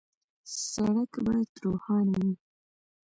سړک باید روښانه وي.